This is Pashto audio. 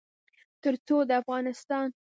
تر څو د افغانستان